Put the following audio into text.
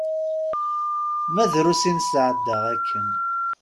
Ma drus i nesɛedda akken.